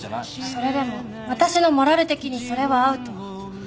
それでも私のモラル的にそれはアウト。